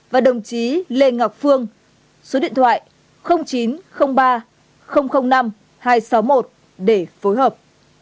và đồng chí lê ngọc phương số điện thoại chín trăm linh ba năm hai trăm sáu mươi một để phối hợp